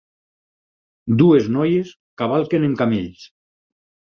Dues noies cavalquen en camells